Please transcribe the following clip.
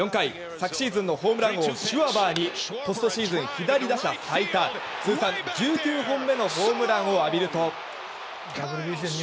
昨シーズンのホームラン王シュワバーにポストシーズン左打者最多通算１９本目のホームランを浴びると。